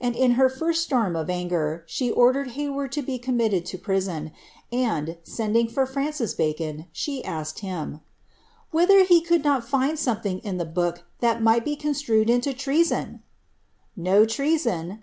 in her lirst storm of angei. she ordered llayward to be committed lo prison, and, sending for Fran cis Bacon, she asked him, •' whether he could not lind something in the hook that might be construed into treason :"*■ No treason."